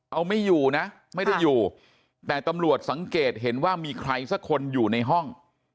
เอาไม่อยู่นะไม่ได้อยู่แต่ตำรวจสังเกตเห็นว่ามีใครสักคนอยู่ในห้อง